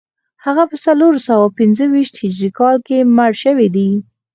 هغه په څلور سوه پنځه ویشت هجري کال کې مړ شوی دی